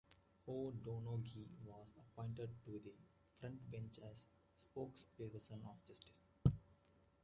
O'Donoghue was appointed to the front bench as spokesperson on Justice.